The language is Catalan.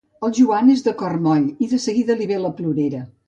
El Joan és de cor moll i de seguida li ve la plorera.